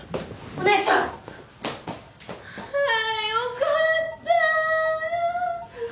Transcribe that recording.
あよかった！